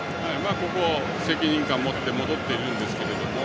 責任感を持って戻っているんですけど。